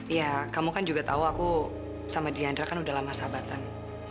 ya kamu kan juga tahu aku sama diandra kan udah lama sahabatan